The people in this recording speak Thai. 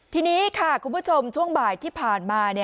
ทีนี้ค่ะคุณผู้ชมช่วงบ่ายที่ผ่านมา